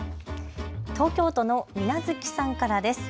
東京都の水無月さんからです。